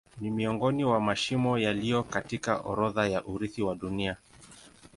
Ni miongoni mwa mashimo yaliyo katika orodha ya urithi wa Dunia.